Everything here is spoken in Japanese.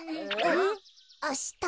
あした。